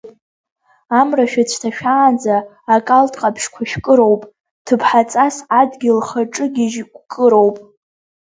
Амра шәыцәҭашәаанӡа акалҭ ҟаԥшьқәа шәкыроуп, ҭыԥҳаҵас адгьыл хаҿыгьежь гәкыроуп.